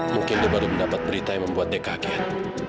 mungkin dia baru mendapat berita yang membuat dia kaget